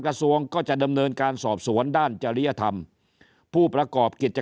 กระทรวงก็จะดำเนินการสอบสวนด้านจริยธรรมผู้ประกอบกิจ